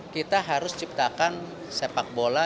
kita harus ciptakan sepak bola